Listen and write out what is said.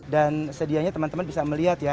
dan sedianya teman teman bisa melihat ya